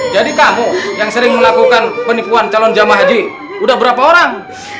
jadi kamu yang sering melakukan penipuan calon jama haji sudah berapa orang